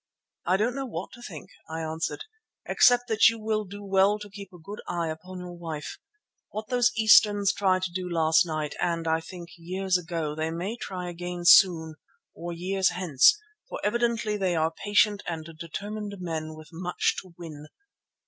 "I don't know what to think," I answered, "except that you will do well to keep a good eye upon your wife. What those Easterns tried to do last night and, I think, years ago, they may try again soon, or years hence, for evidently they are patient and determined men with much to win.